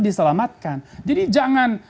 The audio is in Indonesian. diselamatkan jadi jangan